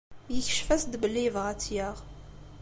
Yekcef-as-d belli yebɣa ad tt-yaɣ.